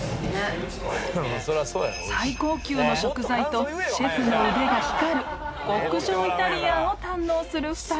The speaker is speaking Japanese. ［最高級の食材とシェフの腕が光る極上イタリアンを堪能する２人］